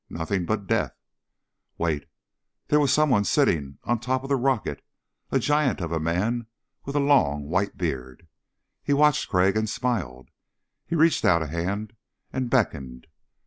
Nothing but death. Wait, there was someone sitting on top of the rocket a giant of a man with a long white beard. He watched Crag and smiled. He reached out a hand and beckoned.